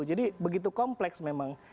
jadi begitu kompleks memang